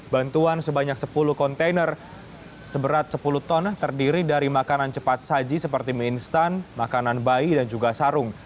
bantuan sebanyak sepuluh kontainer seberat sepuluh ton terdiri dari makanan cepat saji seperti mie instan makanan bayi dan juga sarung